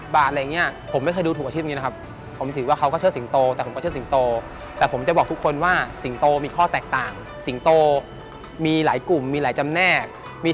๒บาท๕บาท๑๐บาทอะไรอย่างนี้